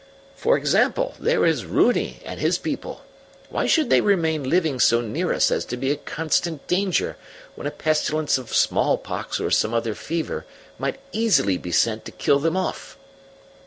For example, there is Runi and his people; why should they remain living so near us as to be a constant danger when a pestilence of small pox or some other fever might easily be sent to kill them off?"